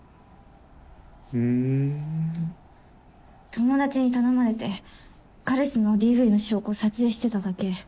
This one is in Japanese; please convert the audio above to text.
友達に頼まれて彼氏のＤＶの証拠撮影してただけ。